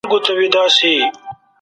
موږ به په نږدې وخت کي دغه ستونزه حل کړو.